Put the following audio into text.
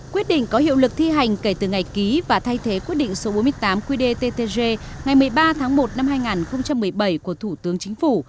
quyết định có hiệu lực thi hành kể từ ngày ký và thay thế quyết định số bốn mươi tám qdttg ngày một mươi ba tháng một năm hai nghìn một mươi bảy của thủ tướng chính phủ